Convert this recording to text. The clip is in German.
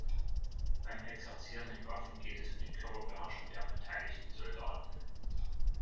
Beim Exerzieren mit Waffen geht es um die Körperbeherrschung der beteiligten Soldaten.